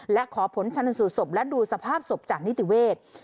และขอผลชนสูตรศพและดูสภาพศพจากนิติเวทย์